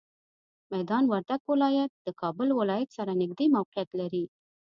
میدان وردګ ولایت د کابل ولایت سره نږدې موقعیت لري.